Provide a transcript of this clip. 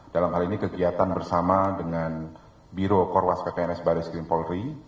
dalam hal ini kegiatan bersama dengan biro korwas kpns barat skrimpolri